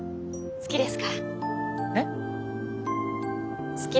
好きです。